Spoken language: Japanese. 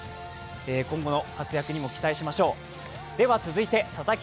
今後の活躍にも期待しましょう。